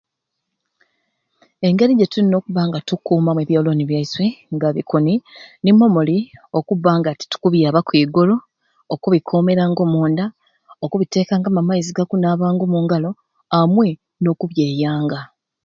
Engeri gyetulina okukuuma ebyolooni baiswe nga bikuni, nimwo muli okubba nga tetukubyabaku igulu, okubikoomeranga omunda, okubiteekangamu amaizi agakunaabanga omungalo amwei n'okubyeyanga